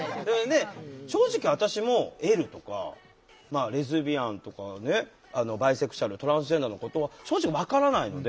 正直私も「Ｌ」とか「レズビアン」とか「バイセクシュアル」「トランスジェンダー」のことは正直分からないので。